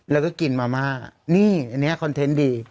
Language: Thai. แล้วก็กินมาม่านี่อันนี้คอนเทนต์ดี